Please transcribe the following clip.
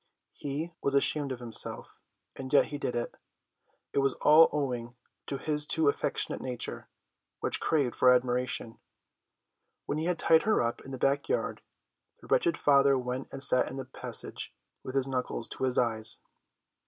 He was ashamed of himself, and yet he did it. It was all owing to his too affectionate nature, which craved for admiration. When he had tied her up in the back yard, the wretched father went and sat in the passage, with his knuckles to his eyes.